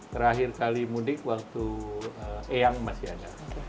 terakhir kali mudik waktu eyang masih ada